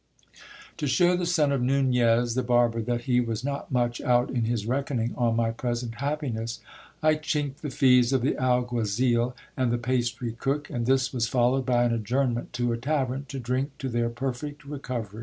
To show the son of Nunez, the barber, that he was not much out in his reckoning on my present happiness, I chinked the fees of the alguazil and the pastry cook ; and this was followed by an adjournment to a tavern, to drink to their perfect recover)'.